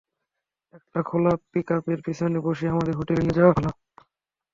একটা খোলা পিকআপের পিছনে বসিয়ে আমাদের হোটেলে নিয়ে যাওয়া হল।